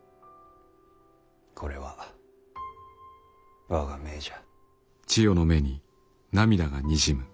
これは我が命じゃ。